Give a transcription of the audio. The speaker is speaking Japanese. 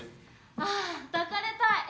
ああ抱かれたい。